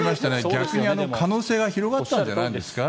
逆に可能性が広がったんじゃないんですか。